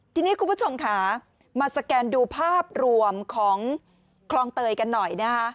ทีนี้คุณผู้ชมค่ะมาสแกนดูภาพรวมของคลองเตยกันหน่อยนะคะ